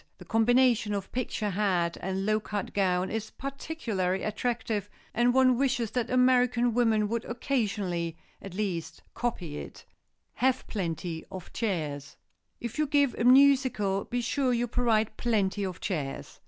The combination of picture hat and low cut gown is particularly attractive and one wishes that American women would occasionally, at least, copy it. [Sidenote: HAVE PLENTY OF CHAIRS] If you give a musicale be sure you provide plenty of chairs.